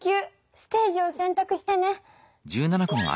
ステージをせんたくしてね。